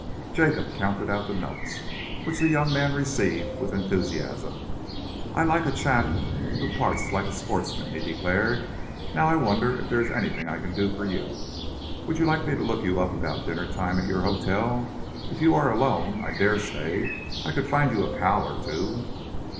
Jacob counted out the notes, which the young man received with enthusiasm. "I like a chap who parts like a sportsman," he declared. "Now I wonder if there is anything I can do for you. Would you like me to look you up about dinner time at your hotel? If you are alone, I dare say I could find you a pal or two."